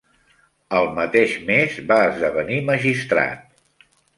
El mateix mes va esdevenir magistrat.